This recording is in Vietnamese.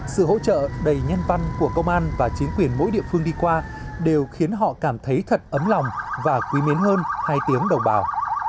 sự hỗ trợ đầy nhân văn của công an và chính quyền mỗi địa phương đi qua đều khiến họ cảm thấy thật ấm lòng và quý mến hơn hai tiếng đồng bào